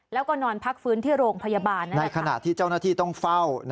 แล้วก็นอนพักฟื้นที่โรงพยาบาลในขณะที่เจ้าหน้าที่ต้องเฝ้า